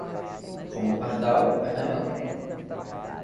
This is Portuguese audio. Como o pardal, a gaiola.